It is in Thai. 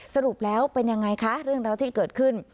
สรุปแล้วเป็นยังไงคะเรื่องราวที่เกิดขึ้น